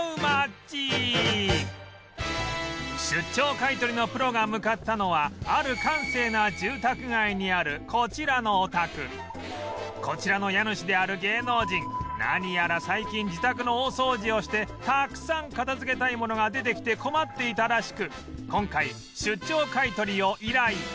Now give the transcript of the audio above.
出張買取のプロが向かったのはあるこちらの家主である芸能人何やら最近自宅の大掃除をしてたくさん片づけたいものが出てきて困っていたらしく今回出張買取を依頼